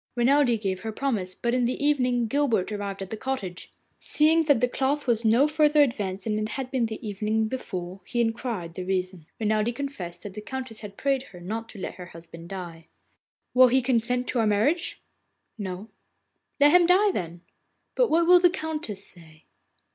Renelde gave her promise, but in the evening Guilbert arrived at the cottage. Seeing that the cloth was no farther advanced than it was the evening before, he inquired the reason. Renelde confessed that the Countess had prayed her not to let her husband die. 'Will he consent to our marriage?' 'No.' 'Let him die then.' 'But what will the Countess say?